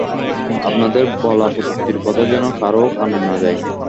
আপনাদের বলা পদ্ধতির কথা যেন কারো কানে না যায়।